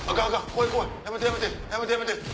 怖い怖いやめてやめてやめてやめて。